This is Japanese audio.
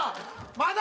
まだ？